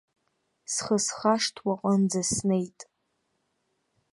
Схы схашҭуа аҟынӡа снеит.